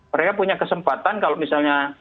mereka punya kesempatan kalau misalnya